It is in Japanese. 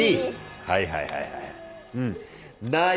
はいはいはいはいはい。